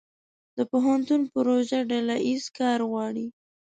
د پوهنتون پروژه ډله ییز کار غواړي.